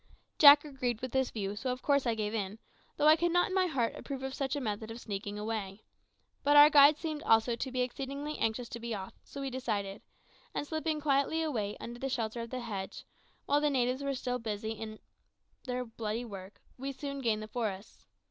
Jack agreed with this view, so of course I gave in, though I could not in my heart approve of such a method of sneaking away. But our guide seemed also to be exceedingly anxious to be off, so we decided; and slipping quietly away under the shelter of the hedge, while the natives were still busy with their bloody work, we soon gained the forest.